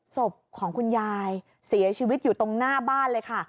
ศพของคุณยายเสียชีวิตอยู่ตรงหน้าบ้านเลยค่ะ